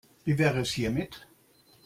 Wie wäre es hiermit?